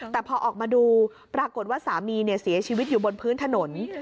แต่พอออกมาดูปรากฏว่าสามีเสียชีวิตอยู่บนพื้นถนน